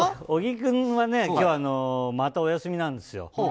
小木君はまたお休みなんですよ。